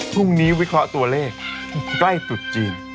พรุ่งนี้วิเคราะห์ตัวเลขใกล้ตุ๊ดจีน